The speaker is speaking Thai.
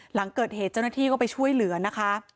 หลังเกิดเหตุเจ้าหน้าที่ก็ไปช่วยเหลือนะคะ